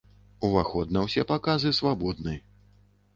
Уваход на ўсе паказы свабодны.